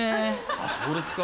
あっそうですか。